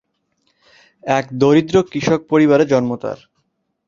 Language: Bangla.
এক দরিদ্র কৃষক পরিবারে জন্ম তার।